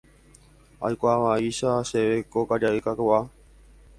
Aikuaávaicha chéve ko karia'y kakuaa